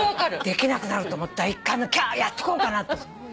できなくなると思ったら１回「キャー！」やっとこうかなと。